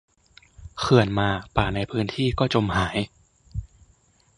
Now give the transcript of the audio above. เขื่อนมาป่าในพื้นที่ก็จมหาย